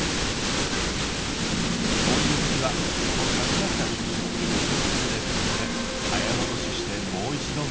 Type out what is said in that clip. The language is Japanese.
こういう時はこの隠されたヒントを強調するエフェクトで早もどししてもう一度見てみよう。